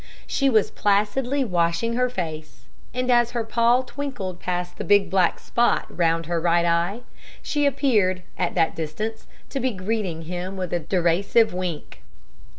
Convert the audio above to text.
She was placidly washing her face; and as her paw twinkled past the big black spot round her right eye, she appeared, at that distance, to be greeting him with a derisive wink.